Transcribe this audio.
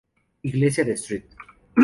Iglesia de St.